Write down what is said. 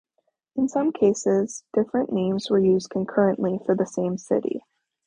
In some cases, different names were used concurrently for the same city.